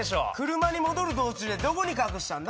車に戻る道中でどこに隠したんだ？